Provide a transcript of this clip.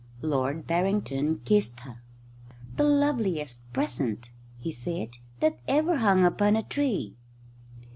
Lord Barrington kissed her. "The loveliest present," he said, "that ever hung upon a tree."